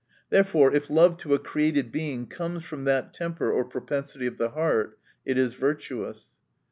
Therefore, if love to a created Being comes from that temper or propensity of the heart, it is virtuous.